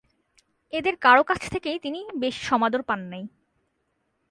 এঁদের কারো কাছ থেকেই তিনি বেশি সমাদর পান নাই।